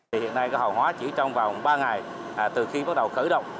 hiện nay hậu hóa chỉ trong vòng ba ngày từ khi bắt đầu khởi động